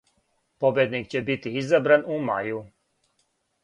Победник ће бити изабран у мају.